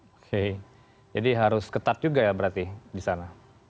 oke jadi harus ketat juga ya berarti di sana